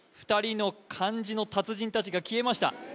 ２人の漢字の達人達が消えました